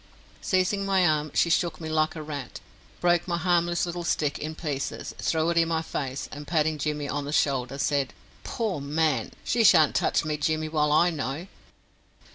Seizing my arm she shook me like a rat, broke my harmless little stick in pieces, threw it in my face, and patting Jimmy on the shoulder, said: "Poor man! She sharn't touch me Jimmy while I know.